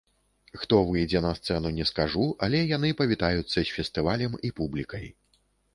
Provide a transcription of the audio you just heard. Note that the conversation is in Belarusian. Хто выйдзе на сцэну, не скажу, але яны павітаюцца з фестывалем і публікай.